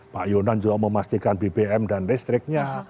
pak yonan juga memastikan bbm dan listriknya